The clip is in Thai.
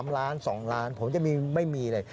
๓ล้าน๒ล้านผมจะไม่มีเลย